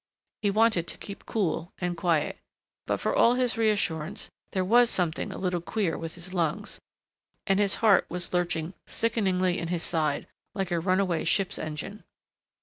He wanted to keep cool and quiet. But for all his reassurance there was something a little queer with his lungs, and his heart was lurching sickeningly in his side, like a runaway ship's engine.